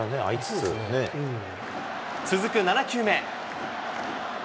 続く７球目。